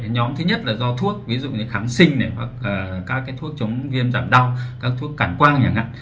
nhóm thứ nhất là do thuốc ví dụ như kháng sinh các thuốc chống viêm giảm đau các thuốc cản quang nhẳng hạn